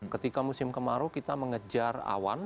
ketika musim kemarau kita mengejar awan